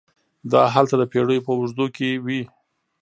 دا هلته د پېړیو په اوږدو کې وې.